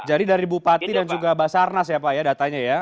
jadi dari bupati dan juga basarnas ya pak ya datanya ya